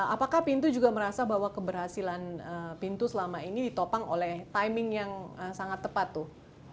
apakah pintu juga merasa bahwa keberhasilan pintu selama ini ditopang oleh timing yang sangat tepat tuh